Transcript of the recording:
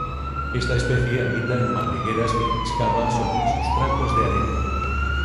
Esta especie habita en madrigueras, que excava sobre sustratos de arena.